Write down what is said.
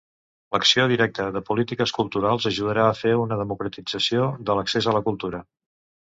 L'acció directa de polítiques culturals ajudarà a fer una democratització de l'accés a la cultura.